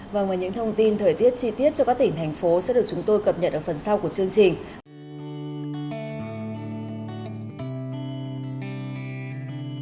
và những thông tin thời tiết chi tiết cho các tỉnh thành phố sẽ được chúng tôi cập nhật ở phần sau của chương trình